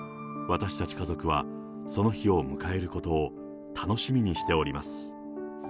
私たち家族は、その日を迎えることを楽しみにしております。